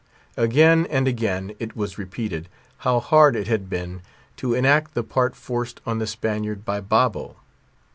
Again and again it was repeated, how hard it had been to enact the part forced on the Spaniard by Babo.